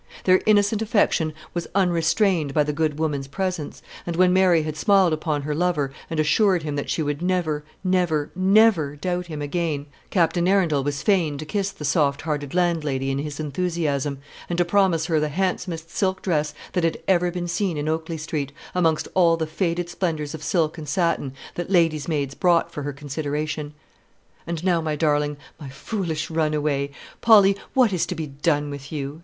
Their innocent affection was unrestrained by the good woman's presence; and when Mary had smiled upon her lover, and assured him that she would never, never, never doubt him again, Captain Arundel was fain to kiss the soft hearted landlady in his enthusiasm, and to promise her the handsomest silk dress that had ever been seen in Oakley Street, amongst all the faded splendours of silk and satin that ladies' maids brought for her consideration. "And now my darling, my foolish run away Polly, what is to be done with you?"